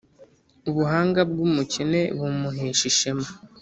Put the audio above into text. Ubuhanga bw’umukene bumuhesha ishema,